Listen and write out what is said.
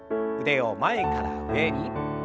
腕を前から上に。